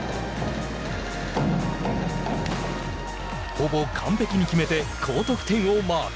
ほぼ完璧に決めて高得点をマーク。